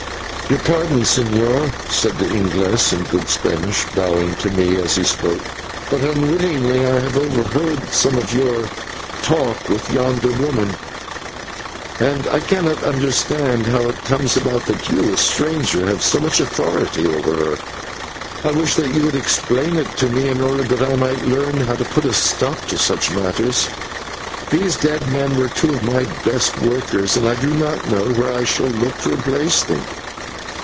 "Your pardon, señor," said this /Inglese/, in good Spanish, bowing to me as he spoke, "but unwittingly I have overheard some of your talk with yonder woman, and I cannot understand how it comes that you, a stranger, have so much authority over her. I wish that you would explain it to me in order that I might learn how to put a stop to such murders. These dead men were two of my best workmen, and I do not know where I shall look to replace them."